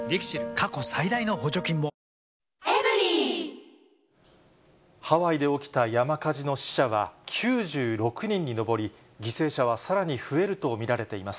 過去最大の補助金もハワイで起きた山火事の死者は９６人に上り、犠牲者はさらに増えると見られています。